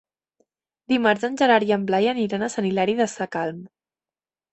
Dimarts en Gerard i en Blai aniran a Sant Hilari Sacalm.